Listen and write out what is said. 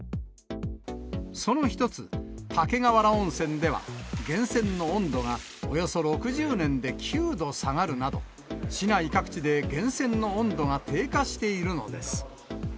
その一つ、竹瓦温泉では、源泉の温度がおよそ６０年で９度下がるなど、市内各地で源泉の温度が低下しているのです。